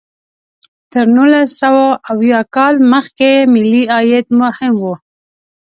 تر نولس سوه اویا کال مخکې ملي عاید مهم و.